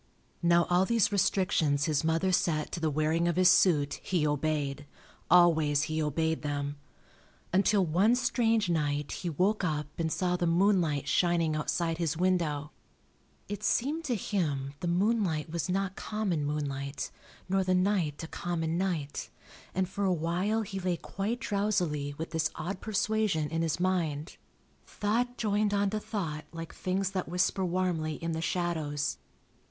Now all these restrictions his mother set to the wearing of his suit he obeyed, always he obeyed them, until one strange night he woke up and saw the moonlight shining outside his window. It seemed to him the moonlight was not common moonlight, nor the night a common night, and for a while he lay quite drowsily with this odd persuasion in his mind. Thought joined on to thought like things that whisper warmly in the shadows.